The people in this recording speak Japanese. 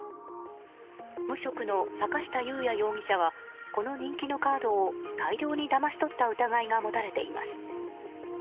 無職の坂下裕也容疑者はこの人気のカードを大量にだまし取った疑いが持たれています。